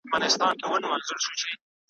دومره ښه او لوړ آواز وو خدای ورکړی ,